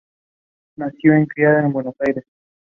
She was also interested in drawing and painting.